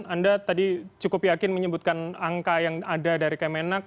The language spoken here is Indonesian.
anda tadi cukup yakin menyebutkan angka yang ada dari kemenak